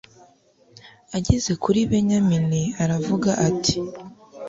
ageze kuri benyamini aravuga ati